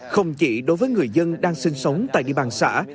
không chỉ đối với người dân đang sinh sống tại địa bàn xã